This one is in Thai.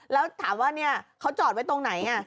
แล้วถามว่าเขาจอดไว้ตรงไหน